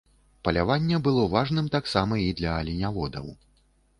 Паляванне было важным таксама і для аленяводаў.